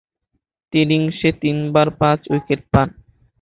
ইনিংসে তিনবার পাঁচ-উইকেট পান।